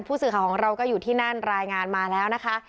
ผู้สื่อข่าวของเราก็อยู่ที่นั่นรายงานมาแล้วนะคะ